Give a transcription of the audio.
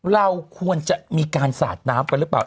เราควรจะมีการสะหน้าเฉพาะหรือเปล่า